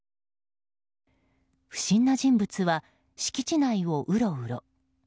不審な人物は敷地内をウロウロ。